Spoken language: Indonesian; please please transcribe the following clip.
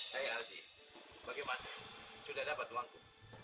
saya aldi bagaimana sudah dapat uangku